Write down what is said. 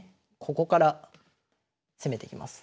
ここから攻めてきます。